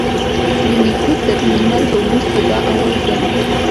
د نيکه تر مرگ وروسته دا اول ځل و.